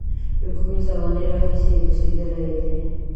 له کومې زمانې راهیسې اوسېدلی دی.